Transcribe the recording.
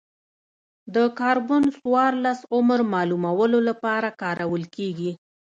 د کاربن څورلس عمر معلومولو لپاره کارول کېږي.